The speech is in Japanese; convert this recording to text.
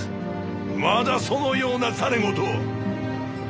まだそのようなざれ言を！